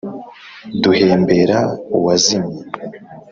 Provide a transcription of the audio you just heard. Duhembera uwazimye